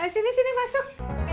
sini sini masuk